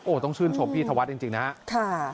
ต้องชื่นชมพี่ธวัฒน์จริงนะครับ